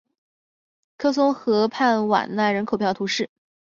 科松河畔瓦讷人口变化图示